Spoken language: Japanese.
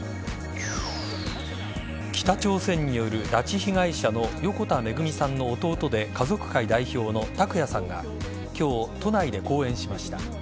北朝鮮による拉致被害者の横田めぐみさんの弟で家族会代表の拓也さんが今日、都内で講演しました。